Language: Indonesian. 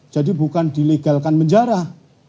jadi bukan dilegalkan menjarah